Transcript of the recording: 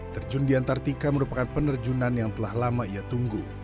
terjun di antartika merupakan penerjunan yang telah lama ia tunggu